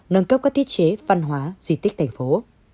nâng cấp các thiết chế văn hóa di tích thành phố